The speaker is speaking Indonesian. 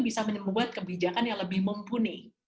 bisa membuat kebijakan yang lebih mumpuni